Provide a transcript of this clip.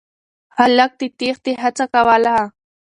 هلک د تېښتې هڅه کوله.